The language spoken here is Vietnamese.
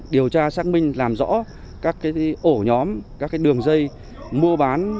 điều tra xác minh làm rõ các ổ nhóm các đường dây mua bán